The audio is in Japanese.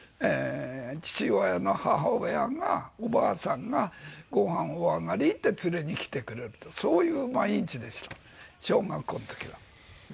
父親の母親がおばあさんが「ご飯おあがり」って連れにきてくれるとそういう毎日でした小学校の時は。